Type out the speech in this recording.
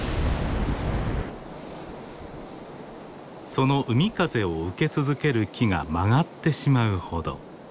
その海風を受け続ける木が曲がってしまうほど。